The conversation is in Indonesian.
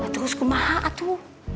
terus kumaha tuh